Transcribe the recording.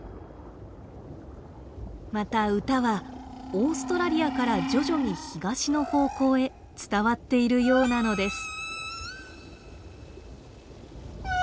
また歌はオーストラリアから徐々に東の方向へ伝わっているようなのです。